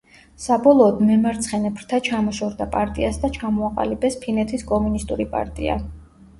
საბოლოოდ მემარცხენე ფრთა ჩამოშორდა პარტიას და ჩამოაყალიბეს ფინეთის კომუნისტური პარტია.